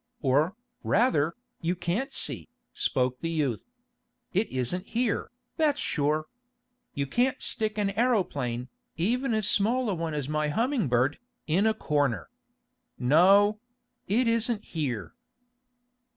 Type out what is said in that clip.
"Or, rather, you can't see," spoke the youth. "It isn't here, that's sure. You can't stick an aeroplane, even as small a one as my Humming Bird, in a corner. No; it isn't here."